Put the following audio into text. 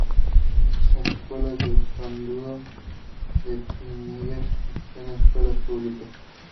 Las Escuelas del Condado de Pinellas gestiona escuelas públicas.